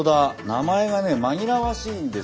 名前がね紛らわしいんですよ。